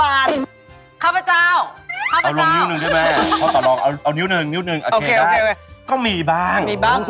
อาร์เตอร์กันคือพ่อบ้าน